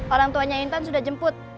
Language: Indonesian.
orang tuanya intan sudah jemput